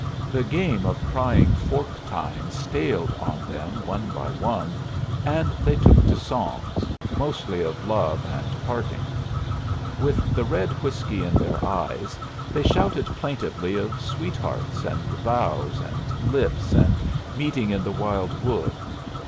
The game of prying fork tines staled on them one by one, and they took to songs, mostly of love and parting. With the red whiskey in their eyes they shouted plaintively of sweethearts, and vows, and lips, and meeting in the wild wood.